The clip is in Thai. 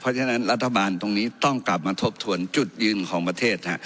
เพราะฉะนั้นรัฐบาลตรงนี้ต้องกลับมาทบทวนจุดยืนของประเทศ